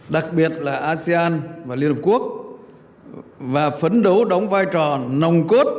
đặc biệt là asean và liên hợp quốc và phấn đấu đóng vai trò nồng cốt